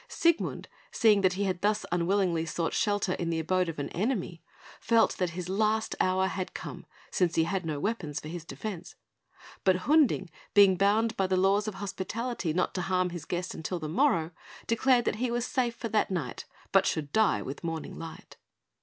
Siegmund, seeing that he had thus unwittingly sought shelter in the abode of an enemy, felt that his last hour had come, since he had no weapons for his defence; but Hunding, being bound by the laws of hospitality not to harm his guest till the morrow, declared that he was safe for that night, but should die with morning light.